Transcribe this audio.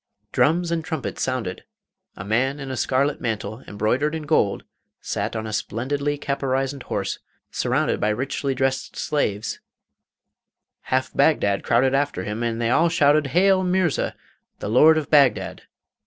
Drums and trumpets sounded, a man in a scarlet mantle, embroidered in gold, sat on a splendidly caparisoned horse surrounded by richly dressed slaves; half Bagdad crowded after him, and they all shouted, 'Hail, Mirza, the Lord of Bagdad!